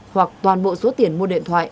hoặc toàn bộ số tiền mua điện thoại